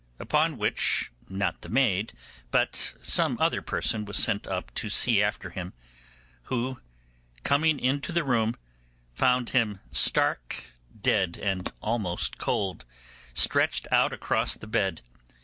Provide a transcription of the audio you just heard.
Upon which, not the maid, but some other person was sent up to see after him, who, coming into the room, found him stark dead and almost cold, stretched out across the bed.